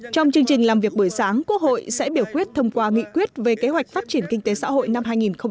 trong chương trình làm việc buổi sáng quốc hội sẽ biểu quyết thông qua nghị quyết về kế hoạch phát triển kinh tế xã hội năm hai nghìn hai mươi